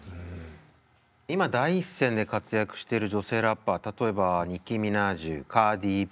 今第一線で活躍してる女性ラッパー例えばニッキー・ミナージュカーディ・Ｂ